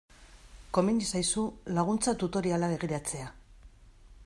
Komeni zaizu laguntza tutoriala begiratzea.